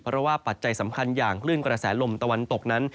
เพราะว่าปัจจัยสำคัญอย่างคลื่นกระแสลมตะวันตกนั้น